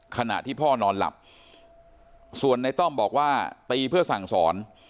ขณะที่พ่อนอนหลับส่วนในต้อมบอกว่าตีเพื่อสั่งสอน